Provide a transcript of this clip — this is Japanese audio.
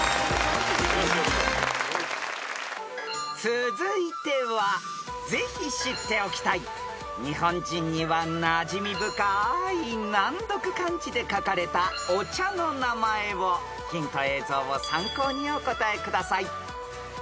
［続いてはぜひ知っておきたい日本人にはなじみ深い難読漢字で書かれたお茶の名前をヒント映像を参考にお答えください］